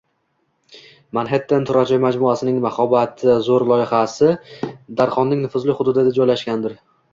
Manhattan turar joy majmuasining mahobatli, zo‘r loyihasi Darxonning nufuzli hududida joylashgandir